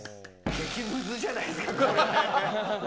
激ムズじゃないですか！